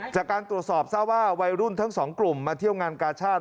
จากการตรวจสอบทราบว่าวัยรุ่นทั้งสองกลุ่มมาเที่ยวงานกาชาติ